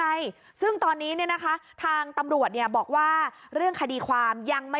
มังผมมันก็ขัดอกขัดใจนิดนึงนะเราก็อยากรู้